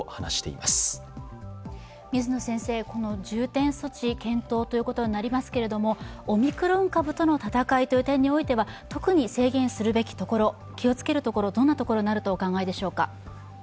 重点措置、検討ということになりますけれども、オミクロン株との戦いという点においては特に制限するべきところ気をつけるところどんなところにあるとお考えでしょうか？